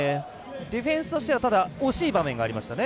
ディフェンスとしては惜しい場面はありましたね。